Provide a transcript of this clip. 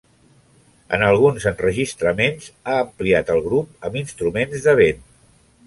En alguns enregistraments ha ampliat el grup amb instruments de vent.